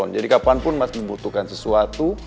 jadi kapanpun mas membutuhkan sesuatu